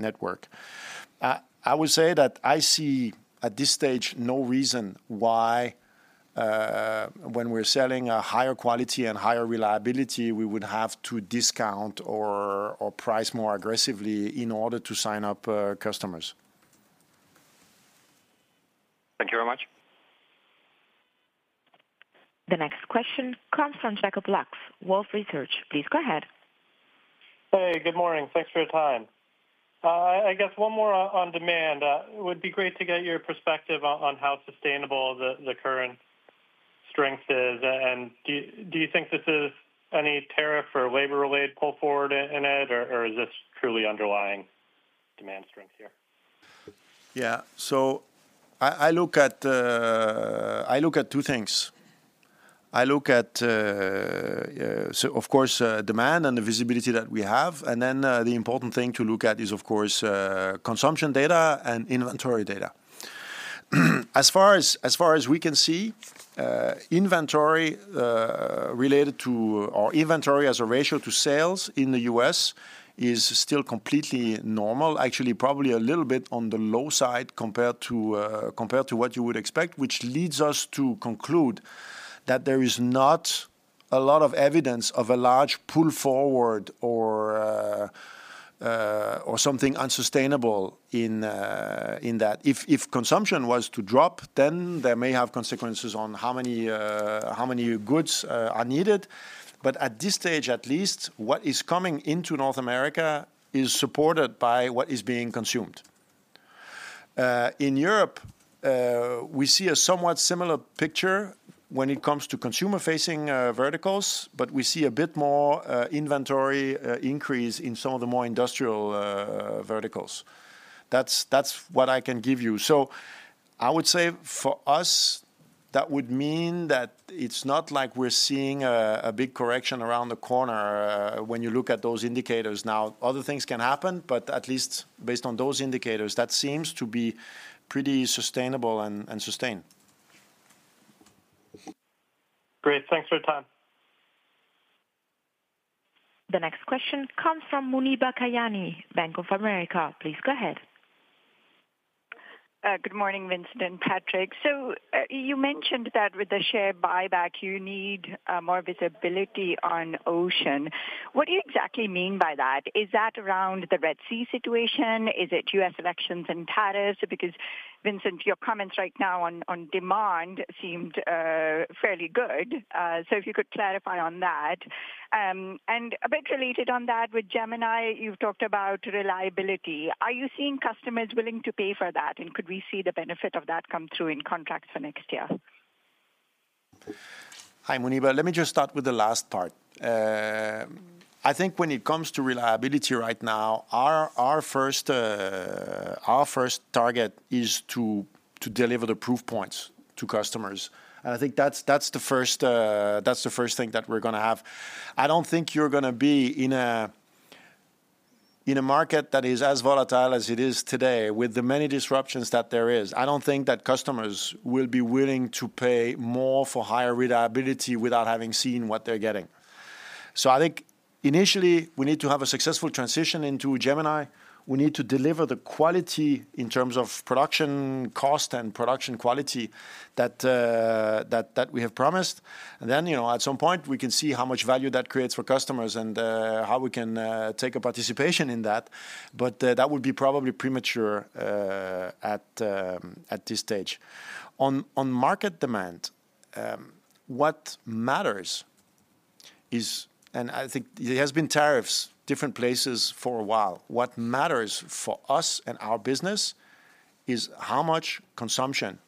network. I would say that I see at this stage no reason why when we're selling a higher quality and higher reliability, we would have to discount or price more aggressively in order to sign up customers. Thank you very much. The next question comes from Jacob Lewis, Wolfe Research. Please go ahead. Hey, good morning. Thanks for your time. I guess one more on demand. It would be great to get your perspective on how sustainable the current strength is. And do you think this is any tariff or labor-related pull forward in it, or is this truly underlying demand strength here? Yeah. So I look at two things. I look at, of course, demand and the visibility that we have. And then the important thing to look at is, of course, consumption data and inventory data. As far as we can see, inventory related to or inventory as a ratio to sales in the U.S. is still completely normal, actually probably a little bit on the low side compared to what you would expect, which leads us to conclude that there is not a lot of evidence of a large pull forward or something unsustainable in that. If consumption was to drop, then there may have consequences on how many goods are needed. But at this stage, at least, what is coming into North America is supported by what is being consumed. In Europe, we see a somewhat similar picture when it comes to consumer-facing verticals, but we see a bit more inventory increase in some of the more industrial verticals. That's what I can give you. So I would say for us, that would mean that it's not like we're seeing a big correction around the corner when you look at those indicators now. Other things can happen, but at least based on those indicators, that seems to be pretty sustainable and sustained. Great. Thanks for your time. The next question comes from Muneeba Kayani, Bank of America. Please go ahead. Good morning, Vincent and Patrick. So you mentioned that with the share buyback, you need more visibility on ocean. What do you exactly mean by that? Is that around the Red Sea situation? Is it US elections and tariffs? Because, Vincent, your comments right now on demand seemed fairly good. So if you could clarify on that. And a bit related on that, with Gemini, you've talked about reliability. Are you seeing customers willing to pay for that? And could we see the benefit of that come through in contracts for next year? Hi, Muneeba. Let me just start with the last part. I think when it comes to reliability right now, our first target is to deliver the proof points to customers. And I think that's the first thing that we're going to have. I don't think you're going to be in a market that is as volatile as it is today with the many disruptions that there is. I don't think that customers will be willing to pay more for higher reliability without having seen what they're getting. So I think initially, we need to have a successful transition into Gemini. We need to deliver the quality in terms of production cost and production quality that we have promised. And then at some point, we can see how much value that creates for customers and how we can take a participation in that. But that would be probably premature at this stage. On market demand, what matters is, and I think there have been tariffs in different places for a while, what matters for us and our business is how much consumption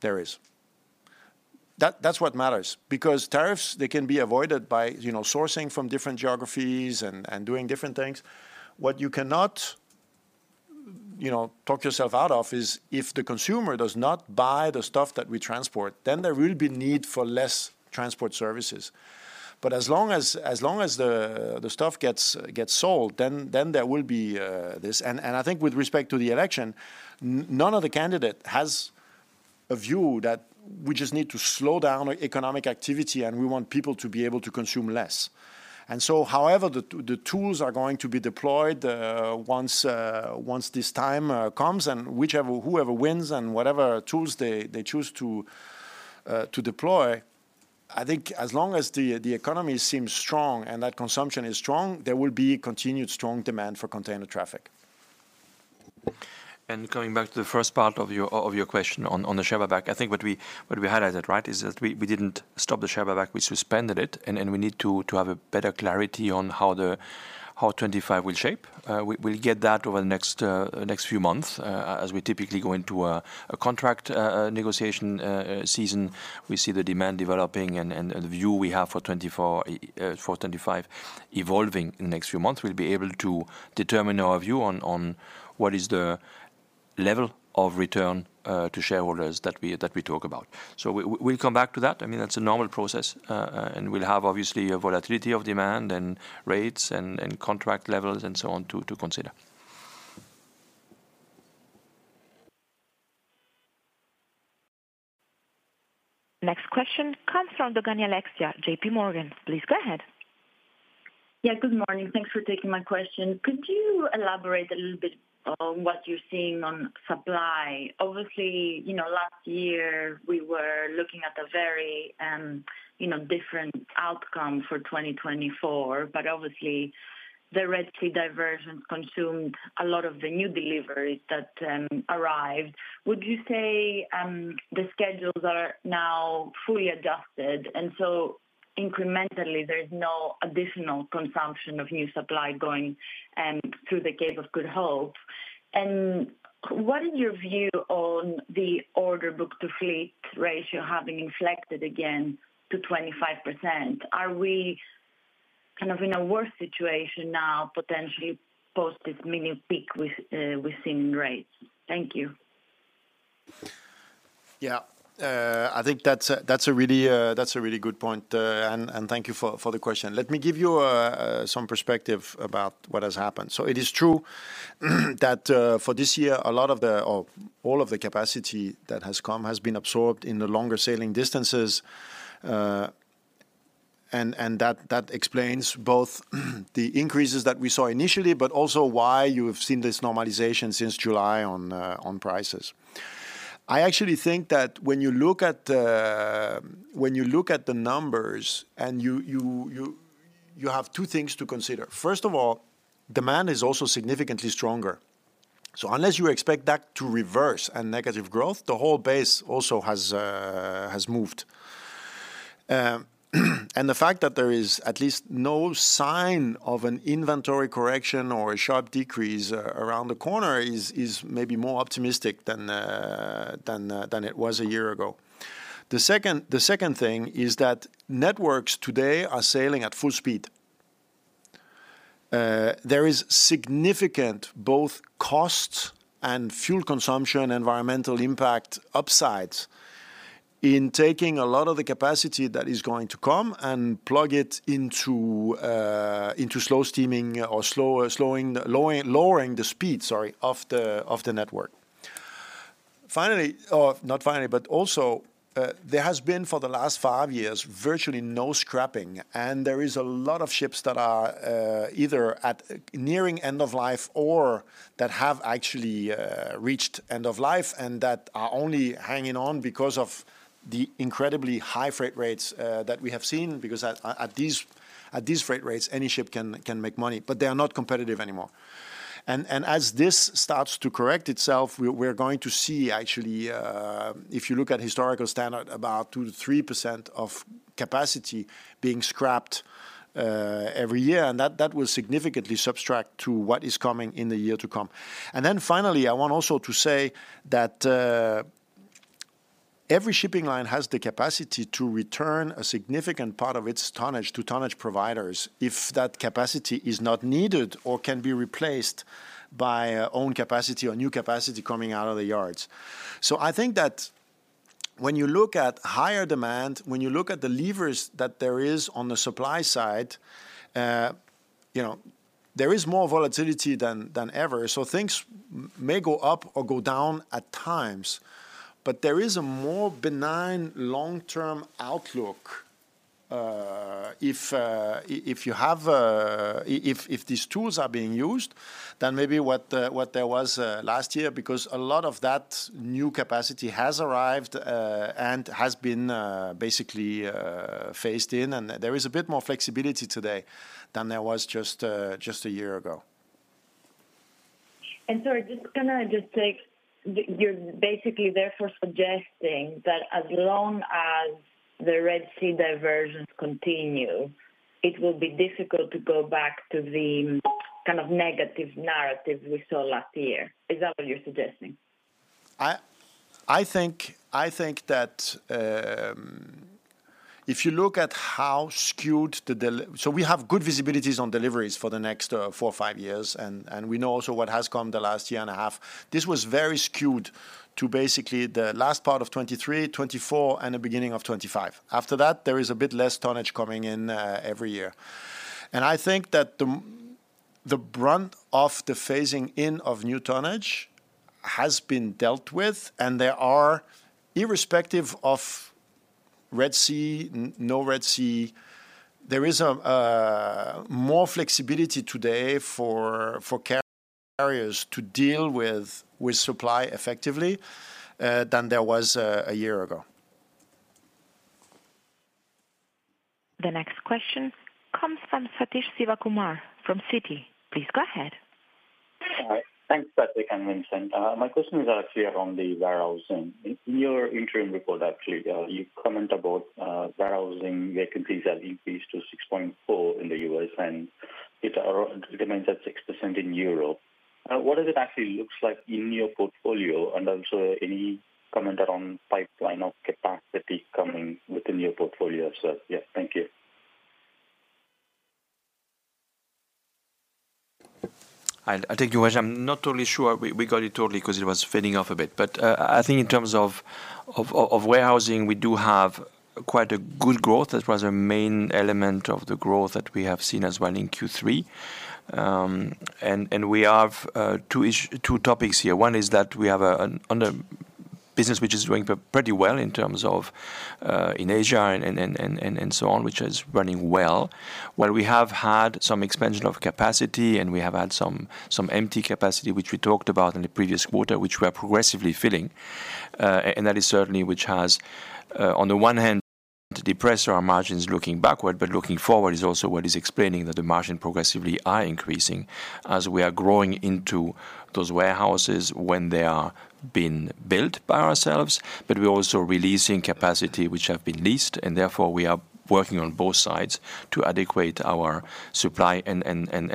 there is. That's what matters. Because tariffs, they can be avoided by sourcing from different geographies and doing different things. What you cannot talk yourself out of is if the consumer does not buy the stuff that we transport, then there will be a need for less transport services. But as long as the stuff gets sold, then there will be this. And I think with respect to the election, none of the candidates has a view that we just need to slow down economic activity, and we want people to be able to consume less. However, the tools are going to be deployed once this time comes and whoever wins and whatever tools they choose to deploy, I think as long as the economy seems strong and that consumption is strong, there will be continued strong demand for container traffic. And coming back to the first part of your question on the share buyback, I think what we highlighted, right, is that we didn't stop the share buyback. We suspended it. And we need to have a better clarity on how 2025 will shape. We'll get that over the next few months. As we typically go into a contract negotiation season, we see the demand developing and the view we have for 2025 evolving in the next few months. We'll be able to determine our view on what is the level of return to shareholders that we talk about. So we'll come back to that. I mean, that's a normal process. And we'll have obviously a volatility of demand and rates and contract levels and so on to consider. Next question comes from Alexia Dogani, J.P. Morgan. Please go ahead. Yeah, good morning. Thanks for taking my question. Could you elaborate a little bit on what you're seeing on supply? Obviously, last year, we were looking at a very different outcome for 2024, but obviously, the Red Sea diversion consumed a lot of the new deliveries that arrived. Would you say the schedules are now fully adjusted? And so incrementally, there's no additional consumption of new supply going through the Cape of Good Hope. And what is your view on the order book to fleet ratio having inflected again to 25%? Are we kind of in a worse situation now, potentially post this mini peak we've seen in rates? Thank you. Yeah. I think that's a really good point, and thank you for the question. Let me give you some perspective about what has happened. It is true that for this year, a lot of the or all of the capacity that has come has been absorbed in the longer sailing distances, and that explains both the increases that we saw initially, but also why you have seen this normalization since July on prices. I actually think that when you look at the numbers, you have two things to consider. First of all, demand is also significantly stronger, so unless you expect that to reverse and negative growth, the whole base also has moved, and the fact that there is at least no sign of an inventory correction or a sharp decrease around the corner is maybe more optimistic than it was a year ago. The second thing is that networks today are sailing at full speed. There is significant both cost and fuel consumption environmental impact upside in taking a lot of the capacity that is going to come and plug it into slow steaming or lowering the speed, sorry, of the network. Finally, not finally, but also, there has been for the last five years virtually no scrapping, and there is a lot of ships that are either nearing end of life or that have actually reached end of life and that are only hanging on because of the incredibly high freight rates that we have seen. Because at these freight rates, any ship can make money, but they are not competitive anymore, and as this starts to correct itself, we're going to see actually, if you look at historical standard, about 2%-3% of capacity being scrapped every year. And that will significantly subtract to what is coming in the year to come. And then finally, I want also to say that every shipping line has the capacity to return a significant part of its tonnage to tonnage providers if that capacity is not needed or can be replaced by own capacity or new capacity coming out of the yards. So I think that when you look at higher demand, when you look at the levers that there is on the supply side, there is more volatility than ever. So things may go up or go down at times. But there is a more benign long-term outlook if these tools are being used, than maybe what there was last year. Because a lot of that new capacity has arrived and has been basically phased in. There is a bit more flexibility today than there was just a year ago. Sorry, just going to take: you're basically therefore suggesting that as long as the Red Sea diversions continue, it will be difficult to go back to the kind of negative narrative we saw last year. Is that what you're suggesting? I think that if you look at how skewed, so we have good visibilities on deliveries for the next four or five years. And we know also what has come the last year and a half. This was very skewed to basically the last part of 2023, 2024, and the beginning of 2025. After that, there is a bit less tonnage coming in every year. And I think that the brunt of the phasing in of new tonnage has been dealt with. And there are, irrespective of Red Sea, no Red Sea, there is more flexibility today for carriers to deal with supply effectively than there was a year ago. The next question comes from Sathish Sivakumar from Citi. Please go ahead. Thanks, Patrick and Vincent. My question is actually around the warehousing. In your interim report, actually, you comment about warehousing vacancies have increased to 6.4% in the U.S., and it remains at 6% in Europe. What does it actually look like in your portfolio? And also any comment around pipeline of capacity coming within your portfolio as well? Yeah, thank you. Hi, I'll take your question. I'm not totally sure we got it totally because it was fading off a bit. But I think in terms of warehousing, we do have quite a good growth. That was a main element of the growth that we have seen as well in Q3. And we have two topics here. One is that we have a business which is doing pretty well in terms of in Asia and so on, which is running well. While we have had some expansion of capacity, and we have had some empty capacity, which we talked about in the previous quarter, which we are progressively filling. And that is certainly which has, on the one hand, depressed our margins looking backward, but looking forward is also what is explaining that the margin progressively are increasing as we are growing into those warehouses when they are being built by ourselves. But we're also releasing capacity which have been leased. And therefore, we are working on both sides to accommodate our supply and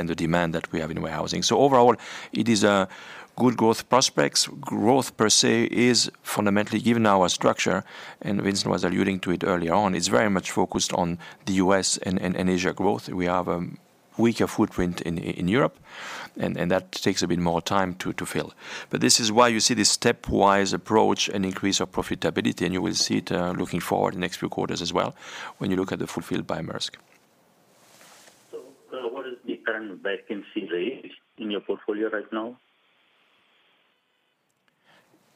the demand that we have in warehousing. So overall, it is a good growth prospects. Growth per se is fundamentally, given our structure, and Vincent was alluding to it earlier on, it's very much focused on the US and Asia growth. We have a weaker footprint in Europe, and that takes a bit more time to fill. But this is why you see this stepwise approach and increase of profitability. And you will see it looking forward in the next few quarters as well when you look at the Fulfilled by Maersk. So what is the current vacancy rate in your portfolio right now?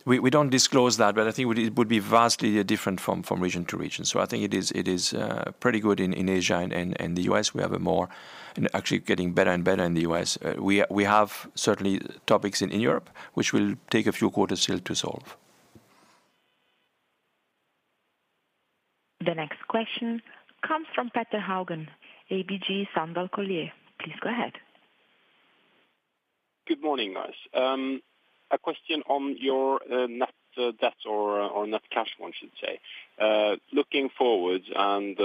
We don't disclose that, but I think it would be vastly different from region to region. So I think it is pretty good in Asia and the U.S. We have more and actually getting better and better in the U.S. We have certain topics in Europe which will take a few quarters still to solve. The next question comes from Petter Haugen, ABG Sundal Collier. Please go ahead. Good morning, guys. A question on your net debt or net cash, one should say. Looking forward and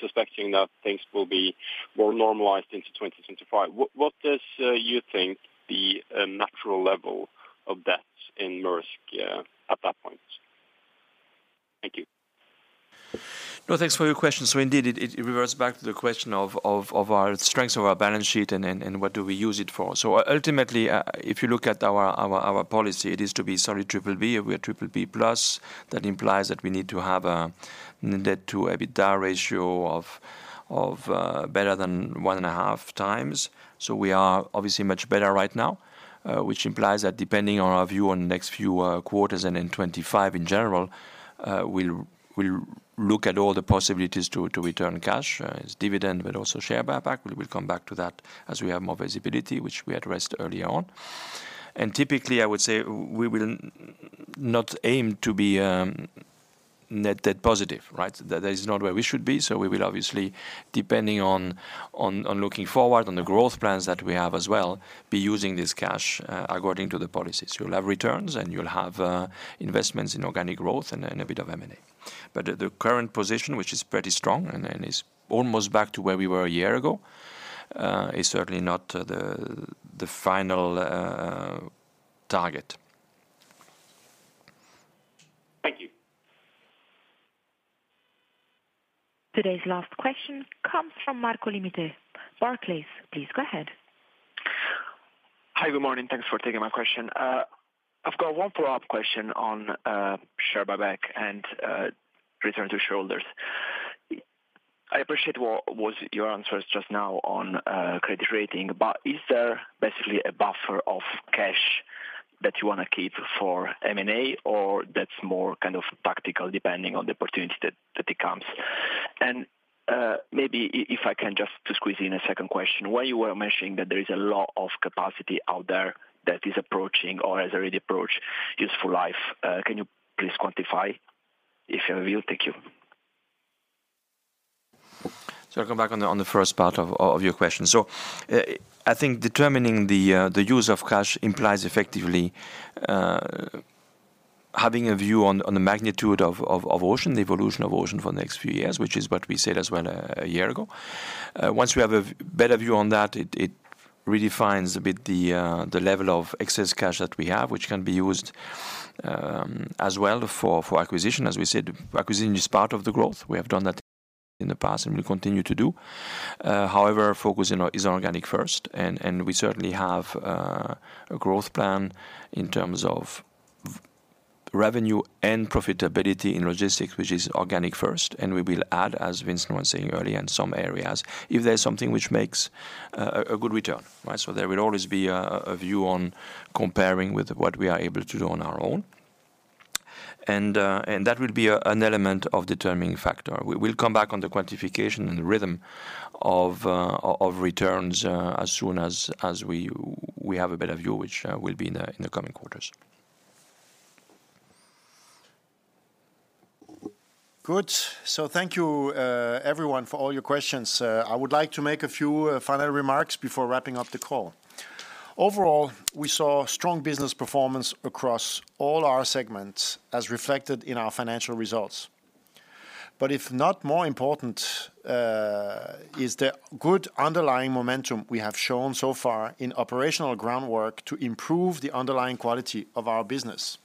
suspecting that things will be more normalized into 2025, what does you think the natural level of debt in Maersk at that point? Thank you. No, thanks for your question. So indeed, it reverts back to the question of our strengths of our balance sheet and what do we use it for. So ultimately, if you look at our policy, it is to be solid BBB. We are BBB plus. That implies that we need to have a net debt to EBITDA ratio of better than one and a half times. So we are obviously much better right now, which implies that depending on our view on the next few quarters and in 2025 in general, we'll look at all the possibilities to return cash, dividend, but also share buyback. We will come back to that as we have more visibility, which we addressed earlier on. And typically, I would say we will not aim to be net debt positive, right? That is not where we should be. So we will obviously, depending on looking forward on the growth plans that we have as well, be using this cash according to the policies. You'll have returns, and you'll have investments in organic growth and a bit of M&A. But the current position, which is pretty strong and is almost back to where we were a year ago, is certainly not the final target. Thank you. Today's last question comes from Marco Limite. Barclays, please go ahead. Hi, good morning. Thanks for taking my question. I've got one follow-up question on share buyback and return to shareholders. I appreciate what was your answers just now on credit rating, but is there basically a buffer of cash that you want to keep for M&A or that's more kind of tactical depending on the opportunity that it comes? And maybe if I can just squeeze in a second question, while you were mentioning that there is a lot of capacity out there that is approaching or has already approached useful life, can you please quantify if you have a view? Thank you. So I'll come back on the first part of your question. So I think determining the use of cash implies effectively having a view on the magnitude of ocean, the evolution of ocean for the next few years, which is what we said as well a year ago. Once we have a better view on that, it redefines a bit the level of excess cash that we have, which can be used as well for acquisition. As we said, acquisition is part of the growth. We have done that in the past and will continue to do. However, focus is organic first. And we certainly have a growth plan in terms of revenue and profitability in logistics, which is organic first. And we will add, as Vincent was saying earlier, in some areas, if there's something which makes a good return, right? So there will always be a view on comparing with what we are able to do on our own. And that will be an element of determining factor. We will come back on the quantification and the rhythm of returns as soon as we have a better view, which will be in the coming quarters. Good. So thank you, everyone, for all your questions. I would like to make a few final remarks before wrapping up the call. Overall, we saw strong business performance across all our segments as reflected in our financial results. But if not more important, is the good underlying momentum we have shown so far in operational groundwork to improve the underlying quality of our business.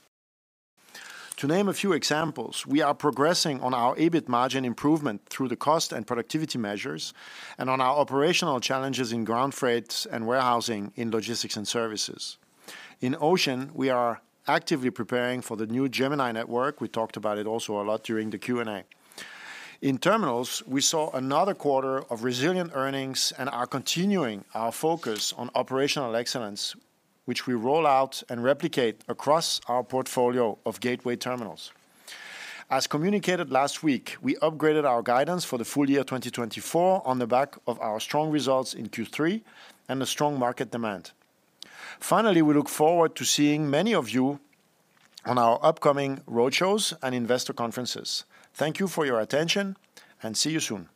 To name a few examples, we are progressing on our EBIT margin improvement through the cost and productivity measures and on our operational challenges in ground freight and warehousing in Logistics and Services. In ocean, we are actively preparing for the new Gemini network. We talked about it also a lot during the Q&A. In Terminals, we saw another quarter of resilient earnings and are continuing our focus on operational excellence, which we roll out and replicate across our portfolio of gateway Terminals. As communicated last week, we upgraded our guidance for the full year 2024 on the back of our strong results in Q3 and the strong market demand. Finally, we look forward to seeing many of you on our upcoming roadshows and investor conferences. Thank you for your attention and see you soon.